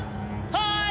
はい！